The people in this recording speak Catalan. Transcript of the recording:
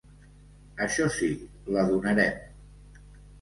Això sí, la donarem!